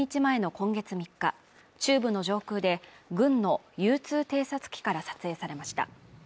撃墜の１日前の今月３日、中部の上空で軍のＵ‐２偵察機機から撮影されました。